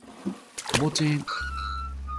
快啲去溫書啦